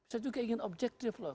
saya juga ingin objektif loh